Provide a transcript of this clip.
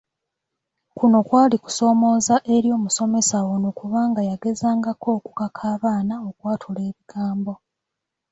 Kuno kwali kusoomooza eri omusomesa ono kubanga yagezangako okukaka abaana okwatula ebigambo.